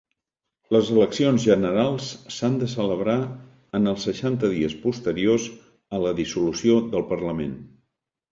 Les eleccions generals s'han de celebrar en els seixanta dies posteriors a la dissolució del parlament.